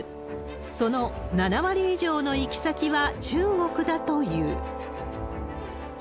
その７割以上の行き先は中国だという。